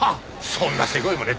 そんなセコいまね